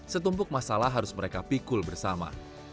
setumpuk masalah harus mereka pikul bersama